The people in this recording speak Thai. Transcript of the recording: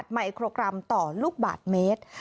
ไมโครกรัมต่อลูกบาทเมตร